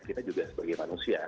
kita juga sebagai manusia